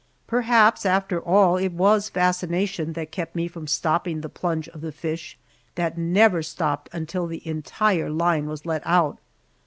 Perhaps, after all, it was fascination that kept me from stopping the plunge of the fish, that never stopped until the entire line was let out.